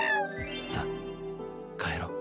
さあ帰ろう。